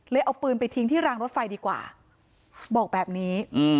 เอาปืนไปทิ้งที่รางรถไฟดีกว่าบอกแบบนี้